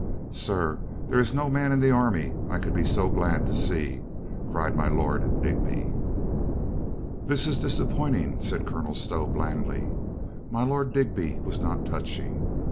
"Sir, there Is no man in the army I could be so glad to see," cried my Lord Digby. "That is disappointing," said Colonel Stow blandly. My Lord Digby was not touchy.